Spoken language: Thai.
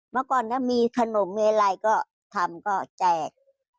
เมื่อก่อนถ้ามีขนมมีอะไรก็ทำก็แจก